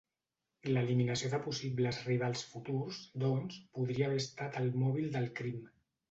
L'eliminació de possibles rivals futurs, doncs, podria haver estat el mòbil del crim.